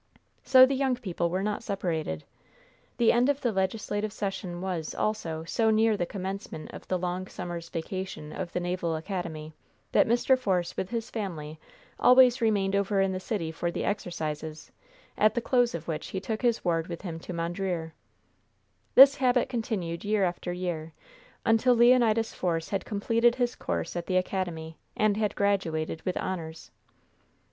So the young people were not separated. The end of the legislative session was, also, so near the commencement of the long summer's vacation of the Naval Academy, that Mr. Force, with his family, always remained over in the city for the exercises, at the close of which he took his ward with him to Mondreer. This habit continued year after year, until Leonidas Force had completed his course at the academy, and had graduated with honors.